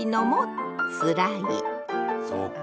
そうか。